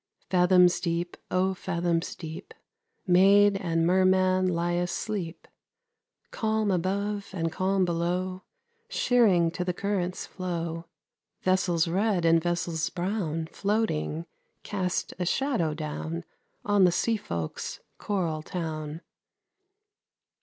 Fathoms deep, oh, fathoms deep, Maid and merman lie asleep; Calm above and calm below; Sheering to the current's flow, Vessels red and vessels brown, Floating, cast a shadow down On the seafolks' coral town.